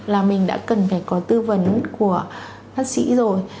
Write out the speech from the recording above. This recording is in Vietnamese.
là mình đã cần phải có tư vấn của bác sĩ rồi